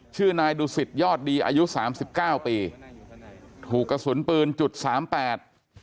ชื่อนายดูสิตยอดดีอายุสามสิบเก้าปีถูกกระสุนปืนจุดสามแปด